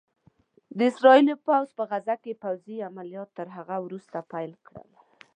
د اسرائيلو پوځ په غزه کې پوځي عمليات له هغه وروسته پيل کړل